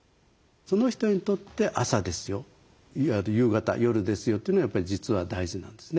その人にとって朝ですよ夕方夜ですよというのがやっぱり実は大事なんですね。